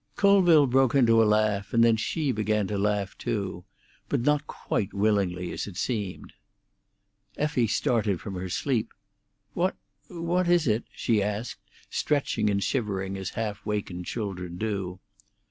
Colville broke into a laugh, and then she began to laugh to; but not quite willingly as it seemed. Effie started from her sleep. "What—what is it?" she asked, stretching and shivering as half wakened children do.